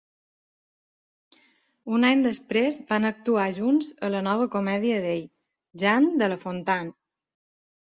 Un any després van actuar junts a la nova comèdia d'ell, "Jean de la Fontaine".